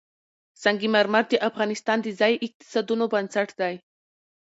سنگ مرمر د افغانستان د ځایي اقتصادونو بنسټ دی.